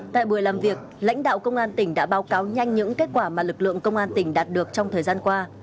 tại buổi làm việc lãnh đạo công an tỉnh đã báo cáo nhanh những kết quả mà lực lượng công an tỉnh đạt được trong thời gian qua